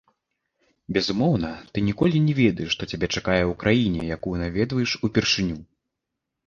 Безумоўна, ты ніколі не ведаеш, што цябе чакае ў краіне, якую наведваеш упершыню.